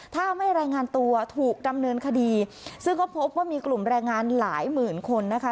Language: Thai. ถ้าไม่รายงานตัวถูกดำเนินคดีซึ่งก็พบว่ามีกลุ่มแรงงานหลายหมื่นคนนะคะ